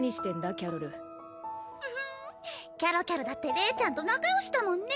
キャロルフフンキャロキャロだってレイちゃんと仲よしだもんね